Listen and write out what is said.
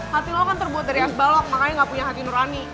hati lo kan terbuat dari es balok makanya gak punya hati nurani